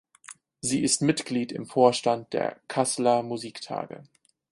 Sie ist Mitglied im Vorstand der Kasseler Musiktage.